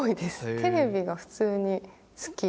テレビが普通に好き。